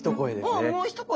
ああもう一声。